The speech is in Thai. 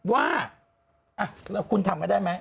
ว่าอะแล้วคุณทำกันได้มั้ย